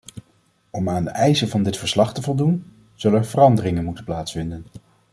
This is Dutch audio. Om aan de eisen van dit verslag te voldoen, zullen er veranderingen moeten plaatsvinden.